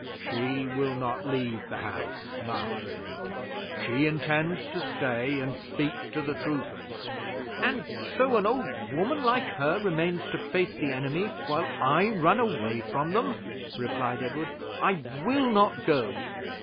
"She will not leave the house, Master Edward; she intends to stay and speak to the troopers." "And so an old woman like her remains to face the enemy, while I run away from them!" replied Edward. "I will not go."